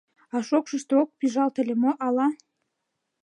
А шокшышто ок пӱжалт ыле мо ала?